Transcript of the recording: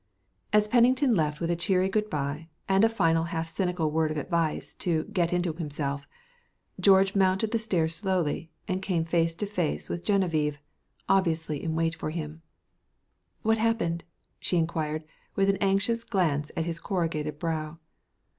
As Pennington left with a cheery good by and a final half cynical word of advice "to get onto himself" George mounted the stairs slowly and came face to face with Geneviève, obviously in wait for him. "What happened?" she inquired, with an anxious glance at his corrugated brow.